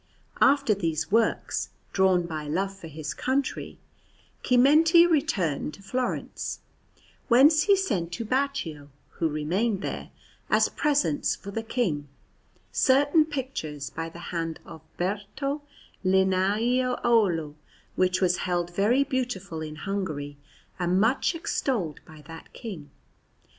After these works, drawn by love for his country, Chimenti returned to Florence, whence he sent to Baccio (who remained there), as presents for the King, certain pictures by the hand of Berto Linaiuolo, which were held very beautiful in Hungary and much extolled by that King.